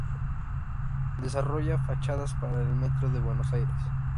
Desarrolla fachadas para el metro de Buenos Aires.